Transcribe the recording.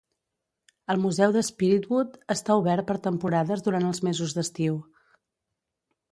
El museu de Spiritwood està obert per temporades durant els mesos d'estiu.